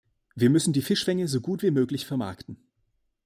Wir müssen die Fischfänge so gut wie möglich vermarkten.